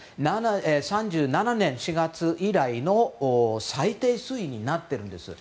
１９３７年４月以来の最低水位になっているんです。